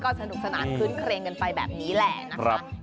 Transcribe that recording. สนุกสนานคื้นเครงกันไปแบบนี้แหละนะคะ